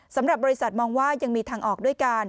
สำหรับบริษัทมองว่ายังมีทางออกด้วยกัน